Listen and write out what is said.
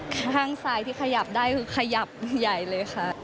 ข้างซ้ายที่ขยับได้คือขยับใหญ่เลยค่ะ